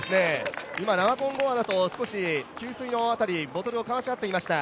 今、ラマコンゴアナと少し給水の辺りボトルを交わし合っていました